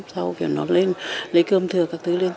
sau khi nó lên lấy cơm thừa các thứ lên